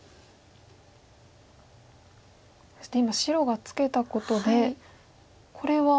そして今白がツケたことでこれは。